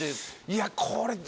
いやこれ。